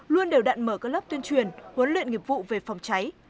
luôn đều đạn mở các lớp tuyên truyền huấn luyện nghiệp vụ về phòng cháy